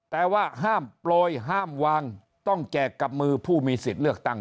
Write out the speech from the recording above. แต่ว่าห้ามโปรยห้ามวางต้องแจกกับมือผู้มีสิทธิ์เลือกตั้ง